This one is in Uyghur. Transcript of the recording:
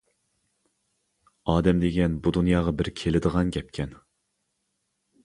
ئادەم دېگەن بۇ دۇنياغا بىر كېلىدىغان گەپكەن.